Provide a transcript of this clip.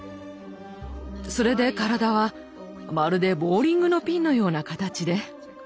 それで体はまるでボウリングのピンのような形で。